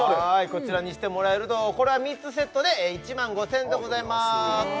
こちらにしてもらえるのはこれは３つセットで１万５０００円でございます